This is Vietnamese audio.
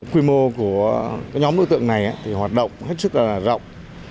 quy mô của nhóm đối tượng này thì hoạt động rất là rộng